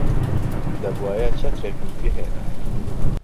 دەبوایە چەترێکم بهێنایە.